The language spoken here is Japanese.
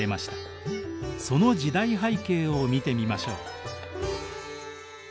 その時代背景を見てみましょう。